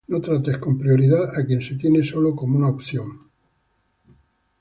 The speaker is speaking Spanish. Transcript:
No trates con prioridad a quien te tiene solo como una opción